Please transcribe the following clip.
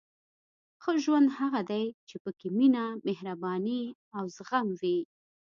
• ښه ژوند هغه دی چې پکې مینه، مهرباني او زغم وي.